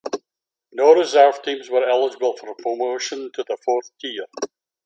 No reserve teams were eligible for promotion to the fourth tier.